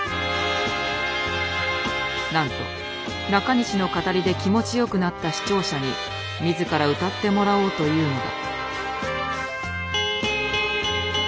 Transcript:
なんと中西の語りで気持ち良くなった視聴者に自ら歌ってもらおうというのだ。